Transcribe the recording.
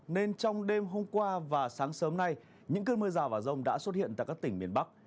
nên trong đêm hôm qua và sáng sớm nay những cơn mưa rào và rông đã xuất hiện tại các tỉnh miền bắc